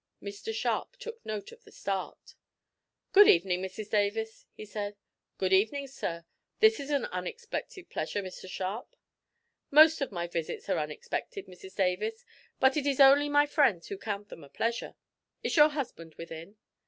Mr Sharp took note of the start! "Good evening, Mrs Davis," he said. "Good evening, sir; this is an unexpected pleasure, Mr Sharp." "Most of my visits are unexpected, Mrs Davis, but it is only my friends who count them a pleasure. Is your husband within?"